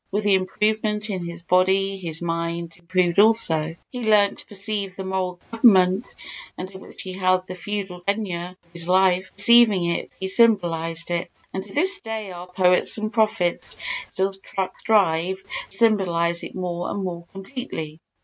With the improvement in his body his mind improved also. He learnt to perceive the moral government under which he held the feudal tenure of his life—perceiving it he symbolised it, and to this day our poets and prophets still strive to symbolise it more and more completely.